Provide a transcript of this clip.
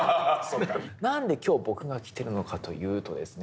何で今日僕が来てるのかというとですね